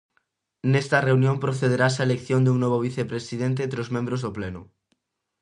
Nesta reunión procederase á elección dun novo vicepresidente entre os membros do Pleno.